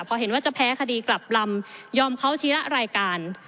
พอเห็นว่าจะแพ้คดีกลับลำยอมเขาทีละรายการ